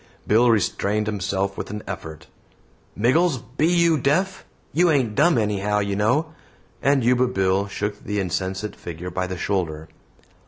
Bill restrained himself with an effort. "Miggles! Be you deaf? You ain't dumb anyhow, you know"; and Yuba Bill shook the insensate figure by the shoulder.